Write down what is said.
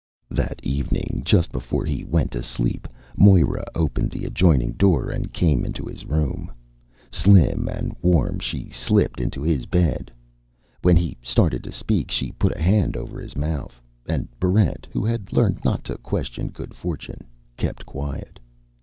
That evening, just before he went to sleep, Moera opened the adjoining door and came into his room. Slim and warm, she slipped into his bed. When he started to speak, she put a hand over his mouth. And Barrent, who had learned not to question good fortune, kept quiet.